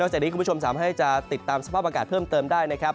จากนี้คุณผู้ชมสามารถให้จะติดตามสภาพอากาศเพิ่มเติมได้นะครับ